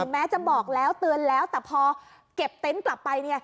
แม้จะบอกแล้วเตือนแล้วแต่พอเก็บเต็นต์กลับไป